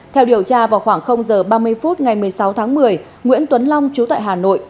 theo điều tra vào khoảng h ba mươi phút ngày một mươi sáu tháng một mươi nguyễn tuấn long chú tại hà nội